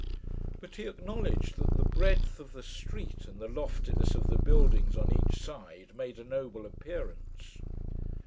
But he acknowledged that the breadth of the street, and the loftiness of the buildings on each side, made a noble appearance.